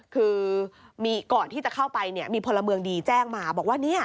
คือก่อนที่จะเข้าไปมีพลเมืองดีแจ้งมาบอกว่า